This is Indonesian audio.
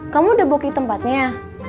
kamu udah bokeh tempatnya